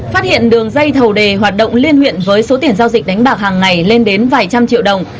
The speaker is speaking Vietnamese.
phát hiện đường dây thầu đề hoạt động liên huyện với số tiền giao dịch đánh bạc hàng ngày lên đến vài trăm triệu đồng